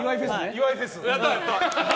岩井フェス。